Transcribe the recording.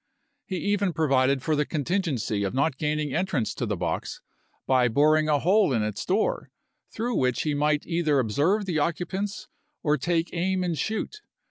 He even provided for the contingency of not gaining entrance to the box by boring a hole in its door, through which he might either observe the occupants or take aim and shoot.